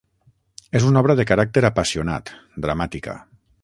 És una obra de caràcter apassionat, dramàtica.